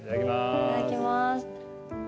いただきます。